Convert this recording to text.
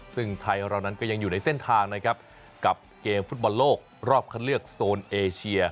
ซึ่งไทยเรานั้นก็ยังอยู่ในเส้นทางนะครับกับเกมฟุตบอลโลกรอบคัดเลือกโซนเอเชีย